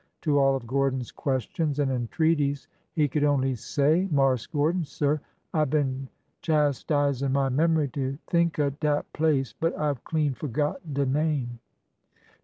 To all of Gordon's questions and en treaties he could only say : Marse Gordon, sir, I been chastisin' my memory to think of dat place, but I 've clean forgot de name